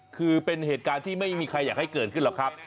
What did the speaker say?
คือเป็นเหตุการณ์ที่ไม่มีใครอยากให้เกิดขึ้นหรอกครับ